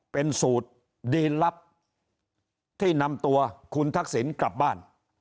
เป็นสูตรดีนลับที่นำตัวคุณทักษิณกลับบ้าน